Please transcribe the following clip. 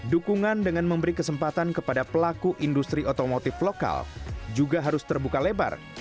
dukungan dengan memberi kesempatan kepada pelaku industri otomotif lokal juga harus terbuka lebar